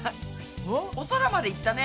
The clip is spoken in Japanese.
お空まで行ったね。